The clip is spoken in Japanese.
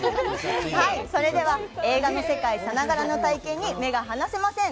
それでは映画の世界さながらの体験に目が離せません。